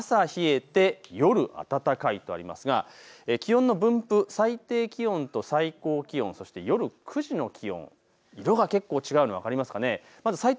朝冷えて夜暖かいとありますが気温の分布、最低気温と最高気温、そして夜９時の気温、色が結構、違うの分かりますかね。